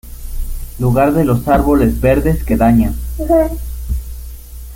Lugar de los árboles verdes que dañan.